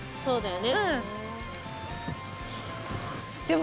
そうだね。